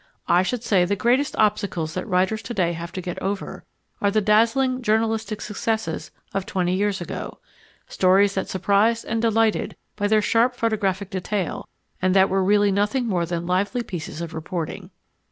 I should say the greatest obstacles that writers today have to get over, are the dazzling journalistic successes of twenty years ago, stories that surprised and delighted by their sharp photographic detail and that were really nothing more than lively pieces of reporting.